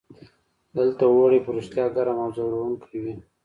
دلته اوړي په رښتیا ګرم او ځوروونکي وي.